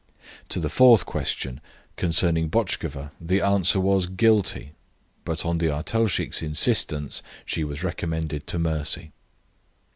To the fourth question concerning Botchkova the answer was "Guilty." But on the artelshik's insistence she was recommended to mercy.